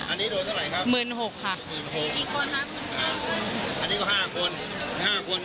อันนี้โดนเท่าไหร่ครับหมื่นหกค่ะหมื่นหกกี่คนครับอันนี้ก็ห้าคนห้าคน